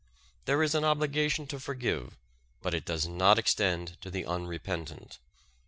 There is an obligation to forgive but it does not extend to the unrepentant.